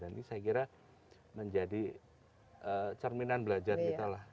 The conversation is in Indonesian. dan ini saya kira menjadi cerminan belajar kita lah